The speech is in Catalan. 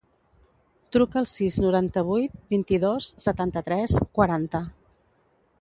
Truca al sis, noranta-vuit, vint-i-dos, setanta-tres, quaranta.